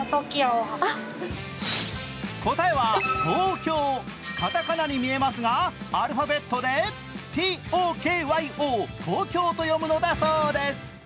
答えはＴＯＫＹＯ、片仮名に見えますがアルファベットで、ＴＯＫＹＯ東京と読むのだそうです。